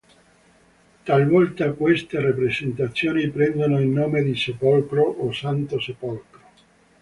Talvolta queste rappresentazioni prendono il nome di "Sepolcro" o "Santo Sepolcro".